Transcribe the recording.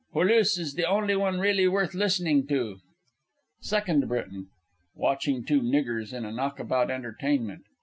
Pôlusse is the only one really worth listening to. SECOND B. (watching two Niggers in a Knockabout Entertainment).